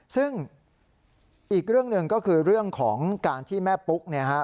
ซึ่งอีกเรื่องหนึ่งก็คือเรื่องของการที่แม่ปุ๊กเนี่ยฮะ